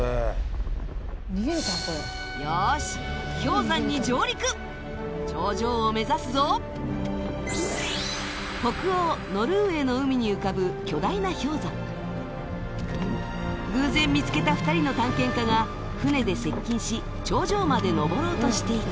よし氷山に上陸頂上を目指すぞ北欧ノルウェーの海に浮かぶ偶然見つけた２人の探検家が船で接近し頂上まで登ろうとしていた